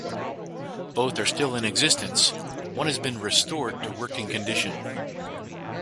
Both are still in existence, one has been restored to working condition.